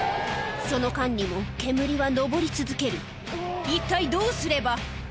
その間にも煙は上り続ける一体どうすれば？